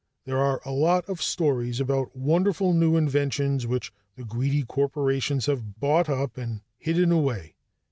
There are a lot of stories about wonderful new inventions which the greedy corporations have bought up and hidden away.